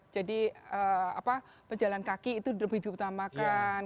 jadi pejalan kaki itu lebih diutamakan